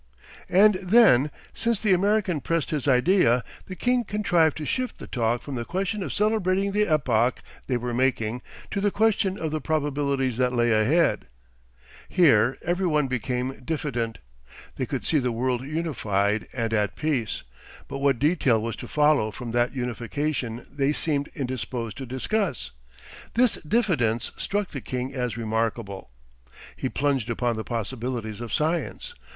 And then, since the American pressed his idea, the king contrived to shift the talk from the question of celebrating the epoch they were making to the question of the probabilities that lay ahead. Here every one became diffident. They could see the world unified and at peace, but what detail was to follow from that unification they seemed indisposed to discuss. This diffidence struck the king as remarkable. He plunged upon the possibilities of science.